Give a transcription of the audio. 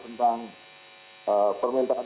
sehingga kita bisa memper inmatesh platform